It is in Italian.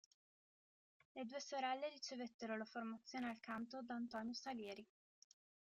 Le due sorelle ricevettero la formazione al canto da Antonio Salieri.